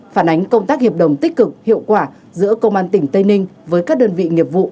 phản ánh công tác hiệp đồng tích cực hiệu quả giữa công an tỉnh tây ninh với các đơn vị nghiệp vụ